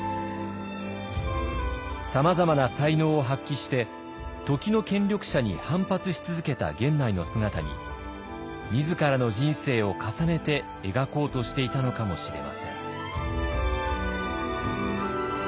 さまざまな才能を発揮して時の権力者に反発し続けた源内の姿に自らの人生を重ねて描こうとしていたのかもしれません。